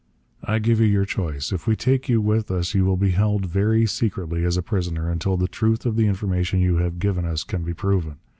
I give you your choice. If we take you with us, you will be held very secretly as a prisoner until the truth of the information you have given us can be proven.